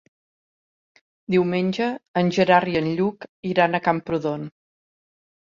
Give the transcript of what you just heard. Diumenge en Gerard i en Lluc iran a Camprodon.